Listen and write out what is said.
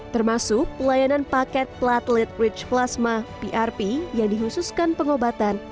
termasuk layanan paket platelit rich plasma prp yang dihususkan pengobatan